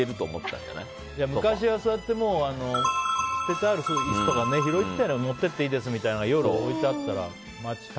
昔はそうやって捨ててある椅子とか持って行っていいですみたいなのが置いてあったから。